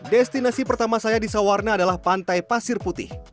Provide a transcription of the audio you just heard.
destinasi pertama saya di sawarna adalah pantai pasir putih